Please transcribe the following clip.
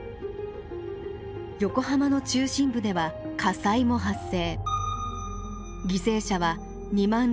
横浜の中心部では火災も発生。